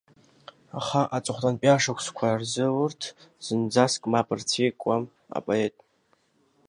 Аха аҵыхәтәантәи ашықәсқәа рзгьы урҭ зынӡаск мап рцәикуам апоет.